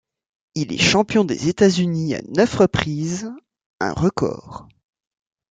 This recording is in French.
Il est champion des États-Unis à neuf reprises, un record.